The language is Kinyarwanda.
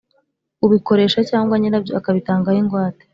ubikoresha cyangwa nyirabyo akabitangaho ingwate